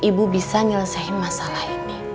ibu bisa menyelesaikan masalah ini